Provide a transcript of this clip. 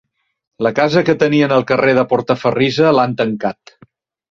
La casa que tenien al carrer de Portaferrissa l'han tancat.